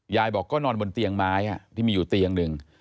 ยายบอกก็นอนบนเตียงไม้ที่มีอยู่เตียงหนึ่ง